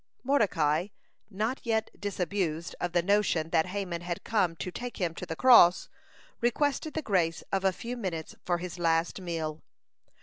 Mordecai, not yet disabused of the notion that Haman had come to take him to the cross, requested the grace of a few minutes for his last meal.